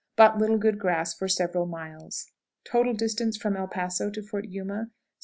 But little good grass for several miles. Total distance from El Paso to Fort Yuma, 756 miles.